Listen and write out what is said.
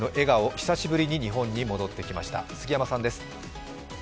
久しぶりに日本に戻ってきました。